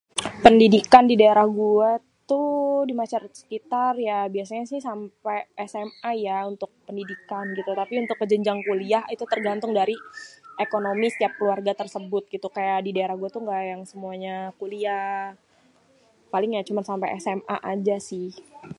Pendidikan di daerah gua tuh di masyarakat sekitar ya biasanyé nya si sampé SMA ya untuk pendidikan gitu tapi untuk jenjang kuliah itu tergantung dari ekonomi setiap keluarga tersebut gitu, kaya di daerah gua gitu ga yang semuanya kuliah, paling ya cuma sampe SMA aja sih.